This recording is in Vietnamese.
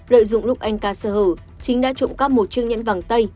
lợi dụng lúc anh ca sơ hở chính đã trộm cắp một chiếc nhẫn vàng tây